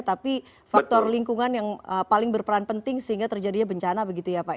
tapi faktor lingkungan yang paling berperan penting sehingga terjadinya bencana begitu ya pak